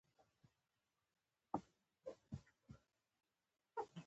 له منځه يوسې اول قدم کې ژبه ترې واخلئ.